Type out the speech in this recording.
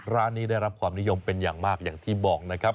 ร้านนี้ได้รับความนิยมเป็นอย่างมากอย่างที่บอกนะครับ